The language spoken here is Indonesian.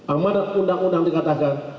amanat undang undang dikatakan